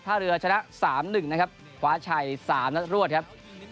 ถ้าเรือชนะ๓๑นะครับขวาชัย๓นัดรวดครับ